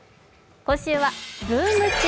今週は「ブーム中！